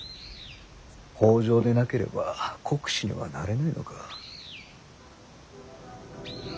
北条でなければ国司にはなれないのか。